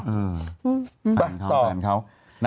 อืมต่อแฟนเขา